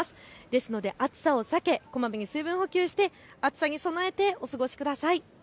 ですので暑さを避け、水分補給をして暑さに備えてお過ごしください。